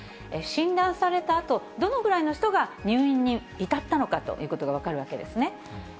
診断されたあと、どのぐらいの人が入院に至ったのかということが分かるわけですね。